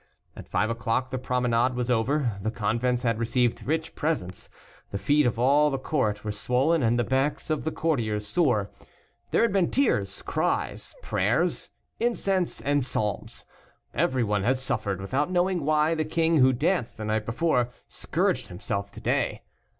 At five o'clock the promenade was over, the convents had received rich presents, the feet of all the court were swollen, and the backs of the courtiers sore. There had been tears, cries, prayers, incense, and psalms. Everyone had suffered, without knowing why the king, who danced the night before, scourged himself to day.